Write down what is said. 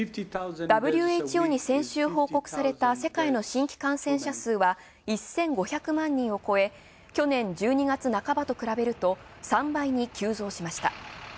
ＷＨＯに先週報告された世界の新規感染者は、１５００万人を超え、去年１２月半ばと比べると、３倍に急増しました。